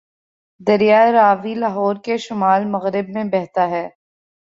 دریائے راوی لاہور کے شمال مغرب میں بہتا ہے